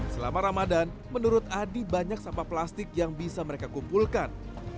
selama ramadan menurut adi banyak sampah plastik yang bisa mereka kumpulkan